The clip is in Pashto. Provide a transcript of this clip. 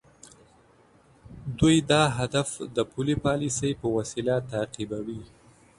دوی دا هدف د پولي پالیسۍ په وسیله تعقیبوي.